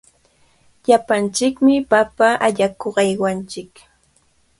Llapanchikmi papa allakuq aywananchik.